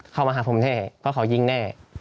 เข้ามาหาผมแน่เพราะเขายิงแน่